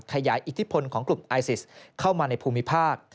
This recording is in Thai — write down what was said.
อิทธิพลของกลุ่มไอซิสเข้ามาในภูมิภาค